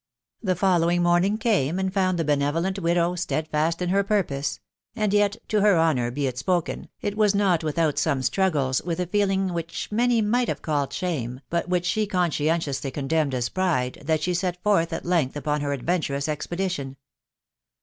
The following morning came, and found the benevolent widow steadfast in her purpose ; and yet, to her honour "be it spoken, it was not without some struggles with a feeling which many might have called shame, but which she conscientiously condemned as pride, that she set forth at length upon her adventurous expedition.